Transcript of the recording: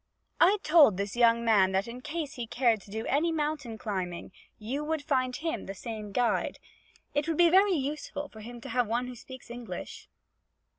'I told this young man that in case he cared to do any mountain climbing, you would find him the same guide. It would be very useful for him to have one who speaks English.'